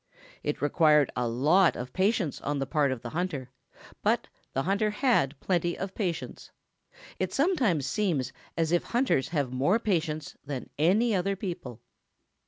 It required a lot of patience on the part of the hunter, but the hunter had plenty of patience. It sometimes seems as if hunters have more patience than any other people.